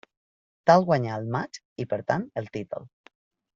Tal guanyà el matx i per tant, el títol.